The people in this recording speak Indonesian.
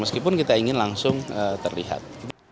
meskipun kita ingin langsung terlihat